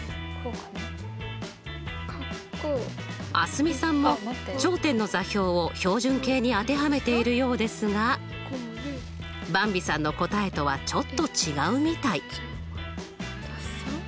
蒼澄さんも頂点の座標を標準形に当てはめているようですがばんびさんの答えとはちょっと違うみたい。